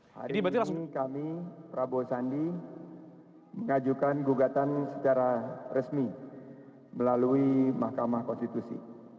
hari ini kami prabowo sandi mengajukan gugatan secara resmi melalui mahkamah konstitusi